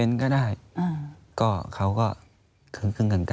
อันดับ๖๓๕จัดใช้วิจิตร